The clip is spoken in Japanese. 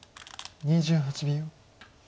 ２８秒。